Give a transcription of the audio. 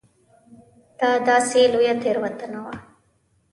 دا داسې لویه تېروتنه وه.